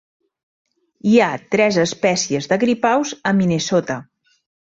Hi ha tres espècies de gripaus a Minnesota.